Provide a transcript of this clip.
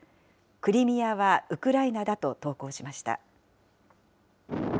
クリミアはウクライナだと投稿しました。